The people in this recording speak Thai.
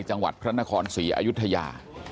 จังหวัดพระนครศรีอยุธยา